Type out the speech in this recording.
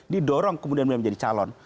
didorong kemudian menjadi calon